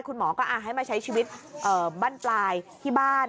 คุณหมอก็ให้มาใช้ชีวิตบ้านปลายที่บ้าน